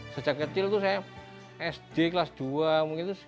sejak kecil itu saya sd kelas dua mungkin itu